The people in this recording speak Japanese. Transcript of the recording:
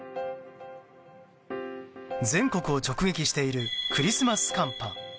全国を直撃しているクリスマス寒波。